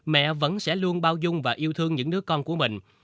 mẹ vẫn sẽ luôn bao dung và yêu thương những đứa con của mình